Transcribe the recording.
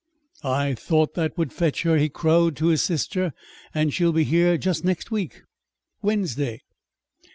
"I thought that would fetch her," he crowed to his sister. "And she'll be here just next week Wednesday.